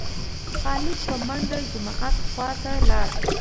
خالد په منډه جومات خوا ته لاړ.